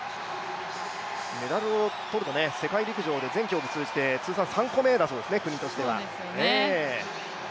メダルを取ると世界陸上で全競技通じて通算３個目だそうです、国としては。